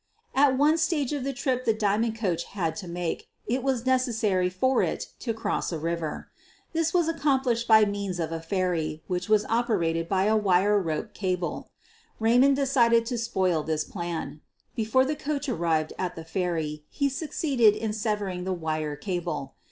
At one stage of the trip the diamond coach had to make, it was necessary for it to cross a river. This was accomplished by means of a ferry which was operated by a wire rope cable. Raymond de cided to spoil this plan. Before the coach arrived at the ferry he succeeded in severing the wire cable.